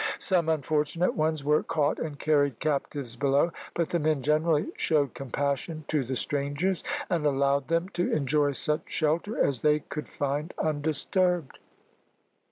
Some unfortunate ones were caught and carried captives below, but the men generally showed compassion to the strangers, and allowed them to enjoy such shelter as they could find undisturbed.